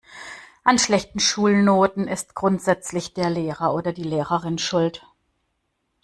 An schlechten Schulnoten ist grundsätzlich der Lehrer oder die Lehrerin schuld.